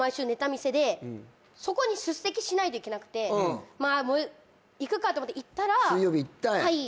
見せでそこに出席しないといけなくてまあ行くかと思って行ったら水曜日行ったはい！